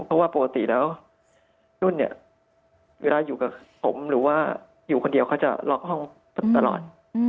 เพราะว่าปกติแล้วนุ่นเนี่ยเวลาอยู่กับผมหรือว่าอยู่คนเดียวเขาจะล็อกห้องตลอด